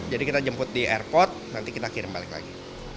jadi kita jemput di airport nanti kita kirim balik lagi